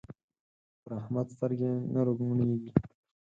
پر احمد سترګې نه روڼېږي.